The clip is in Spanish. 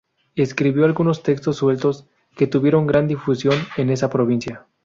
Escribió algunos textos sueltos, que tuvieron gran difusión en esa provincia.